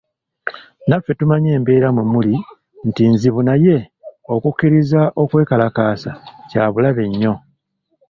Naffe tumanyi embeera mwe muli nti nzibu naye okukkiriza okwekalakaasa kya bulabe nnyo.